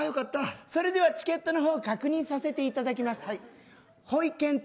それではチケットの方確認させいただきます。